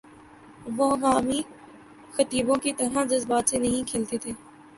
وہ عوامی خطیبوں کی طرح جذبات سے نہیں کھیلتے تھے۔